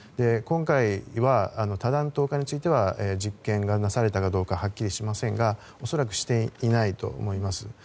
今回は多弾頭化については実験されたかどうかはっきりしませんが恐らくしていないと思います。